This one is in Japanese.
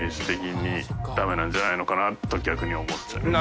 おっ。大島）と逆に思っちゃいます。